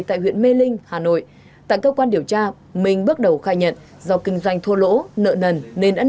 tại huyện mê linh hà nội tại cơ quan điều tra mình bắt đầu khai nhận do kinh doanh thua lỗ nợ nần nên